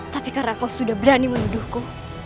tapi karena kau sudah berani menuduhku